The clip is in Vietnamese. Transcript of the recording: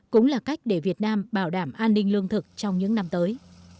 cũng là cách để việt nam bảo đảm an ninh lương thực trong những năm tới